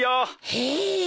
へえ。